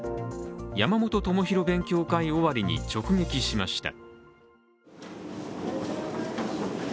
山本ともひろ勉強会終わりに直撃しました。